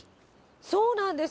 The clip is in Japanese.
そうなんです。